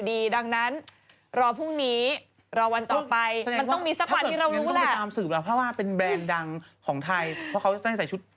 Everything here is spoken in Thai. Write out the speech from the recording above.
ดีไซเนอร์เนี่ยแองจี้เนี่ยไม่รู้หรอกว่าใครที่เขาใช้อยู่